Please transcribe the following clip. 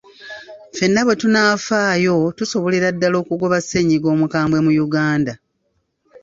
Ffenna bwe tunaafaayo, tusobolerera ddala okugoba ssennyiga omukambwe mu Uganda.